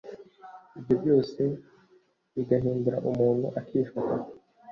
Ibyobyose bigahindura umuntu akifata